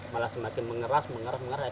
malah semakin mengeras mengeras mengeras